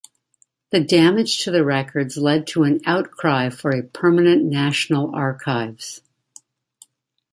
The damage to the records led to an outcry for a permanent National Archives.